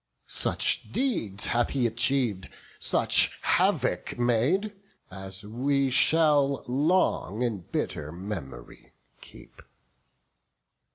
Such deeds hath he achiev'd, such havoc made, As we shall long in bitter mem'ry keep.